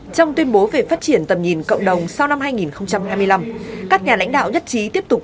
trong tuyên bố về phát triển tầm nhìn cộng đồng sau năm hai nghìn hai mươi năm các nhà lãnh đạo nhất trí tiếp tục